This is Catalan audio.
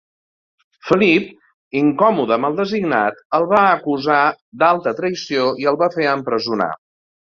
Felip, incòmode amb el designat, el va acusar d'alta traïció i el va fer empresonar.